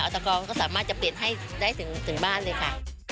ตะกองก็สามารถจะเปลี่ยนให้ได้ถึงบ้านเลยค่ะ